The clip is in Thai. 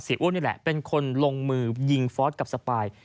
อ้วนนี่แหละเป็นคนลงมือยิงฟอสกับสปาย